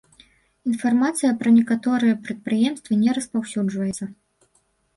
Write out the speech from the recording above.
Інфармацыя пра некаторыя прадпрыемствы не распаўсюджваецца.